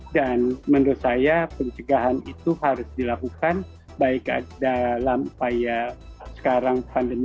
menurut saya pencegahan itu harus dilakukan baik dalam upaya sekarang pandemi